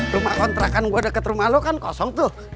rumah kontrakan gue deket rumah lo kan kosong tuh